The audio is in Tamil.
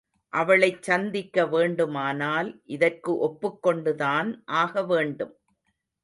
அவளைச் சந்திக்க வேண்டுமானால் இதற்கு ஒப்புக் கொண்டுதான் ஆகவேண்டும்.